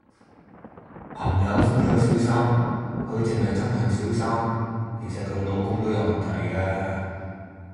朋友夫有小三，佢淨係憎恨小三。其實佢老公都有問題㗎。